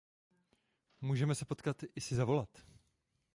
Můžeme se potkat i si zavolat.